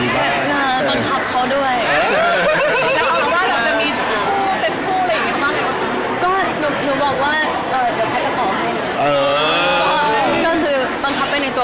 แล้วผมว่าจะมีสันผู้อะไรอย่างนี้ค่ะ